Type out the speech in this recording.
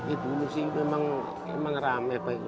ibu ini sih memang ramai